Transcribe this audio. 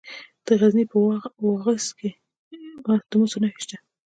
د غزني په واغظ کې د مسو نښې شته.